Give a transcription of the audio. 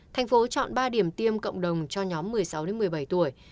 thành phố chọn ba điểm tiêm cộng đồng cho nhóm một mươi sáu một mươi bảy tuổi